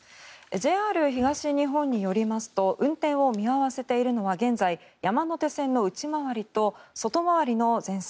ＪＲ東日本によりますと運転を見合わせているのは現在、山手線の内回りと外回りの全線。